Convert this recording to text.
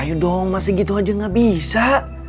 ayo dong masih gitu aja gak bisa